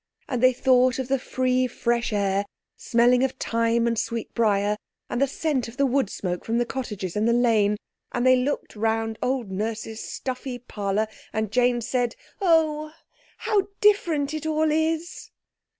And they thought of the free fresh air smelling of thyme and sweetbriar, and the scent of the wood smoke from the cottages in the lane—and they looked round old Nurse's stuffy parlour, and Jane said— "Oh, how different it all is!"